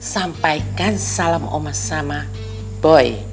sampaikan salam oma sama bu